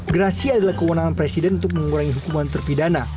gerasi adalah kewenangan presiden untuk mengurangi hukuman terpidana